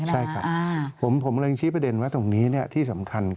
ใช่ครับผมเลยชี้ประเด็นว่าตรงนี้ที่สำคัญ